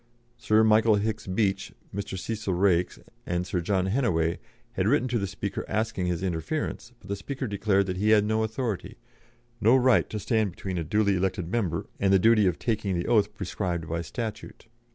Sir Michael Hicks Beach, Mr. Cecil Raikes, and Sir John Hennaway had written to the Speaker asking his interference, but the Speaker declared that he had no authority, no right to stand between a duly elected member and the duty of taking the oath prescribed by statute.